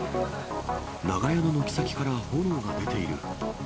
長屋の軒先から炎が出ている。